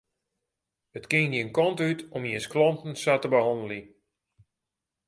It kin gjin kant út om jins klanten sa te behanneljen.